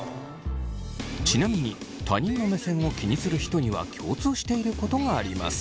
ちなみに他人の目線を気にする人には共通していることがあります。